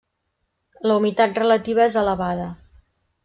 La humitat relativa és elevada.